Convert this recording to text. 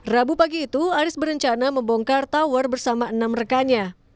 rabu pagi itu aris berencana membongkar tower bersama enam rekannya